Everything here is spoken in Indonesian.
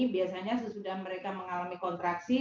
biasanya sesudah mereka mengalami kontraksi